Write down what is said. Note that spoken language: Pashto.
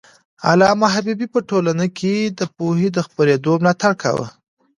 علامه حبيبي په ټولنه کي د پوهې د خپرېدو ملاتړ کاوه.